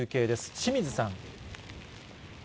清水さん。